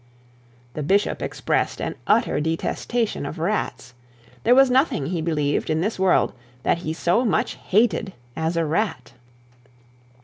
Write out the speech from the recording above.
The bishop expressed an utter detestation of rats. There was nothing, he believed, in this world, that he so much hated as a rat.